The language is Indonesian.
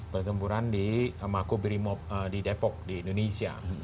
pertempuran di makkubi'i depok di indonesia